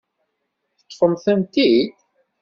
Teṭṭfemt-tent-id?